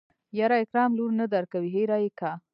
يره اکرم لور نه درکوي هېره يې که.